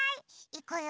いくよ。